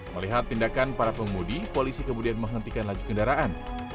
melihat tindakan para pengemudi polisi kemudian menghentikan laju kendaraan